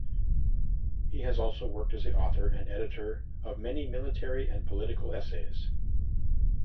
He also worked as the author and editor of many military and political essays.